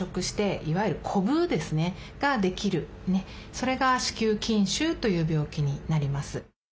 それが「子宮筋腫」という病気になります。